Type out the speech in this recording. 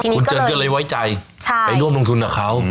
คุณเจินก็เลยไว้ใจไปร่วมลงทุนกับเขา